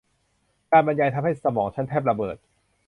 การบรรยายทำให้สมองฉันแทบจะระเบิด